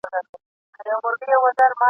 ما شبقدر دی لیدلی منل کیږي مي خواستونه ..